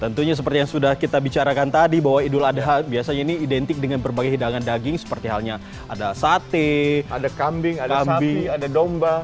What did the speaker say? tentunya seperti yang sudah kita bicarakan tadi bahwa idul adha biasanya ini identik dengan berbagai hidangan daging seperti halnya ada sate ada kambing adambi ada domba